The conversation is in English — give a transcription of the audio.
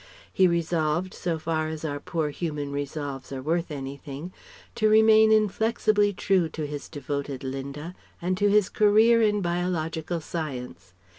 He resolved, so far as our poor human resolves are worth anything, to remain inflexibly true to his devoted Linda and to his career in biological Science.